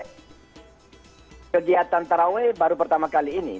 kegiatan taraweh baru pertama kali ini